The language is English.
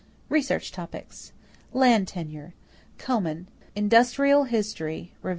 =Research Topics= =Land Tenure.= Coman, Industrial History (rev.